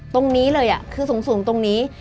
ตรงนี้เลยคือสูงตรงนี้